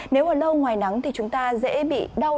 nếu ở đâu ngoài nắng thì chúng ta dễ bị đau